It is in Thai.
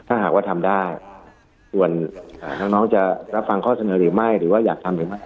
ถ้าหากว่าทำได้ส่วนน้องจะรับฟังข้อเสนอหรือไม่หรือว่าอยากทำหรือไม่